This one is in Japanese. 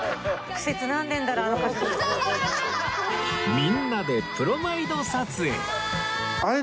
みんなでプロマイド撮影！